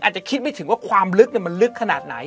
อาจจะคิดไม่ถึงว่าความลึกมันลึกขนาดไหน